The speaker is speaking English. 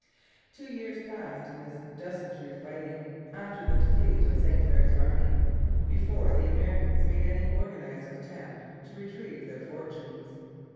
Two years passed in this desultory fighting, after the defeat of St Clair's army, before the Americans made any organized attempt to retrieve their fortunes.